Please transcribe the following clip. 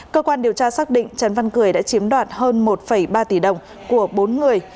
cơ quan điều tra xác định trần văn cười đã chiếm đoạt hơn một ba tỷ đồng của bốn người